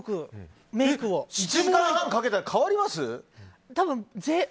１時間半かけたら変わります？